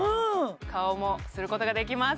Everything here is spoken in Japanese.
顔もすることができます